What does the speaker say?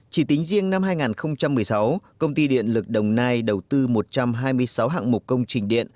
chỉ tính riêng năm hai nghìn một mươi sáu công ty điện lực đồng nai đầu tư một trăm hai mươi sáu hạng mục công trình điện